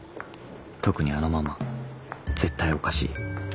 特にあのママ絶対おかしい。